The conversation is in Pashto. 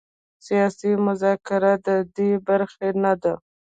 سیاسي مذاکره د دې برخه نه ده.